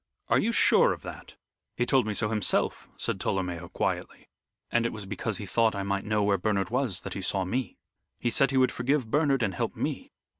"Are you sure of that?" "He told me so himself," said Tolomeo, quietly, "and it was because he thought I might know where Bernard was that he saw me. He said he would forgive Bernard and help me.